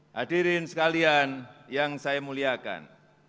hadirin sekalian yang saya muliakan